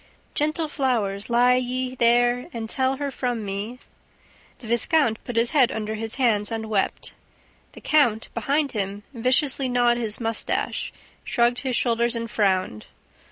"Gentle flow'rs, lie ye there And tell her from me ..." The viscount put his head under his hands and wept. The count, behind him, viciously gnawed his mustache, shrugged his shoulders and frowned.